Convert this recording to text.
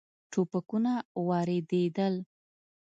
ټوپکونه واردېدل.